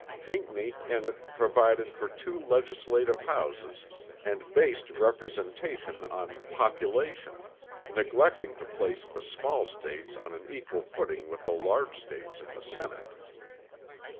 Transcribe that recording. Pinckney in it provided for two legislative houses and based representation on population, neglecting to place the small States on an equal footing with the large States in the Senate.